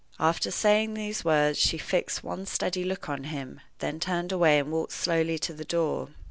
After saying those words she fixed one steady look on him, then turned away and walked slowly to the door.